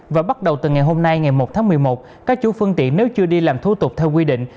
và bắt đầu từ ngày hôm nay ngày một tháng một mươi một các chủ phương tiện nếu chưa đi làm thủ tục theo quy định